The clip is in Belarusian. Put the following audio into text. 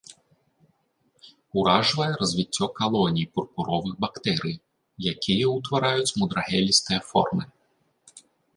Уражвае развіццё калоній пурпуровых бактэрый, якія ўтвараюць мудрагелістыя формы.